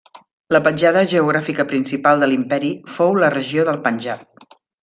La petjada geogràfica principal de l'imperi fou la regió del Panjab.